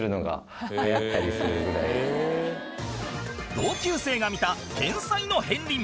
同級生が見た天才の片鱗